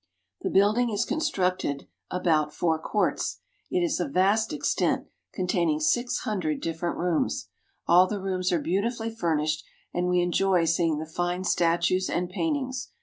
The building is constructed "— the great palace of the emperor.'' about four courts ; it is of vast extent, containing six hundred different rooms. All the rooms are beautifully furnished, and we enjoy seeing the fine statues and paint ings.